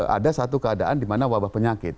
ada satu keadaan dimana wabah penyakit